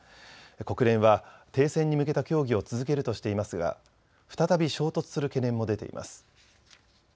国連は停戦に向けた協議を続けるとしていますが再び衝突する懸念も出ています。